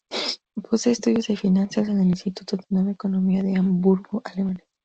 Posee estudios de Finanzas en el Instituto de Nueva Economía de Hamburgo, Alemania.